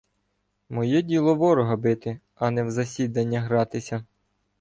— Моє діло ворога бити, а не в засідання гратися.